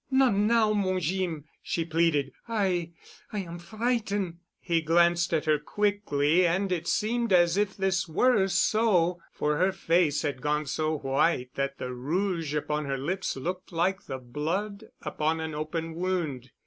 "Not now, mon Jeem," she pleaded. "I—I am frighten'——" He glanced at her quickly and it seemed as if this were so, for her face had gone so white that the rouge upon her lips looked like the blood upon an open wound.